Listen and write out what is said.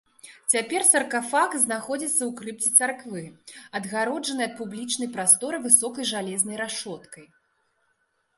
Цяпер саркафаг знаходзіцца ў крыпце царквы, адгароджаны ад публічнай прасторы высокай жалезнай рашоткай.